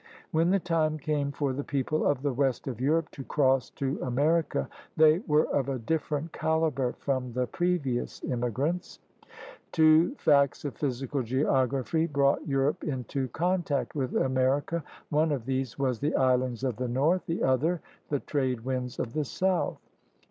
When the time came for the people of the west of Europe to cross to Amer ica, they were of a different caliber from the pre vious immigrants. Two facts of physical geography brought Europe into contact with America. One of these was the islands of the North, the other the trade winds of the South.